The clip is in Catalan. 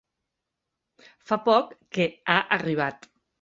Fa poc que ha arribat.